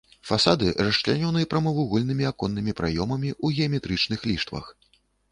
Фасады расчлянёны прамавугольнымі аконнымі праёмамі ў геаметрычных ліштвах.